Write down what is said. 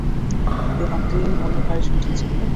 এই হাত দিয়েই মনের খায়েশ মিটিয়েছিলি না?